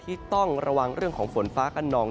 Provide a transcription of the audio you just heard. ที่ต้องระวังเรื่องของฝนฟ้ากันนอง